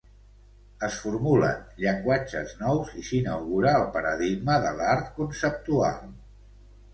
Es formulen llenguatges nous i s’inaugura el paradigma de l’art conceptual.